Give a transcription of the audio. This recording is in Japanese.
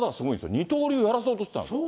二刀流やらそうとしてた。